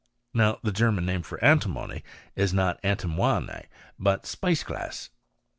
Now the German name for antimony is not antimoiney but speissglass.